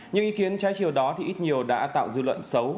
những ý kiến trái chiều đó thì ít nhiều đã tạo dư luận xấu